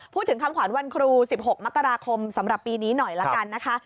พูดถึงคำขวัญวันครู๑๖มกราคมสำหรับปีนี้หน่อยละกันนะคะ